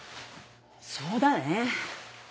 そうだね。